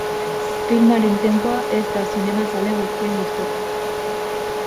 Filmaren tempoa ez da zinemazale guztien gustukoa.